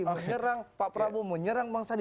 menyerang pak prabowo menyerang bang sandi